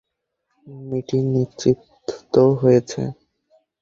Meeting নিশ্চিত হয়েছে?